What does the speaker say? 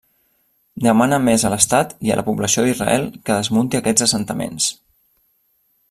Demana més a l'Estat i a la població d'Israel que desmunti aquests assentaments.